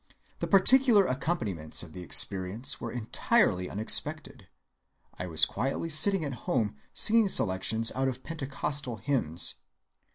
The particular accompaniments of the experience were entirely unexpected. I was quietly sitting at home singing selections out of Pentecostal Hymns.